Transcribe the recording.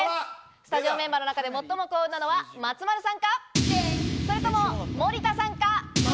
スタジオメンバーの中で最も幸運なのは松丸さんか、それとも森田さんか？